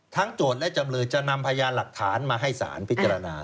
โจทย์และจำเลยจะนำพยานหลักฐานมาให้สารพิจารณา